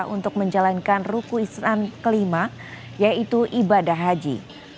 untuk menjalankan ruku islam kelima yaitu ibadah haji